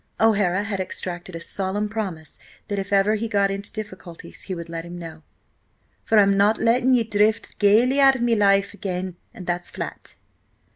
O'Hara had extracted a solemn promise that if ever he got into difficulties he would let him know: "For I'm not letting ye drift gaily out of me life again, and that's flat."